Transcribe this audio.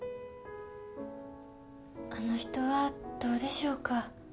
あの人はどうでしょうか？